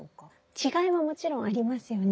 違いはもちろんありますよね。